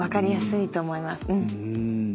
うん。